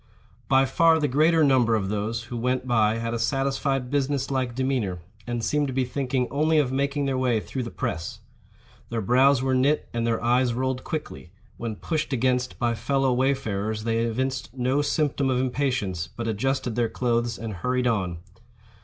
By far the greater number of those who went by had a satisfied business like demeanor, and seemed to be thinking only of making their way through the press. Their brows were knit, and their eyes rolled quickly; when pushed against by fellow wayfarers they evinced no symptom of impatience, but adjusted their clothes and hurried on.